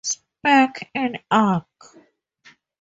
Speck, in Arch.